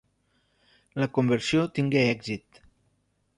La conversió tingué èxit.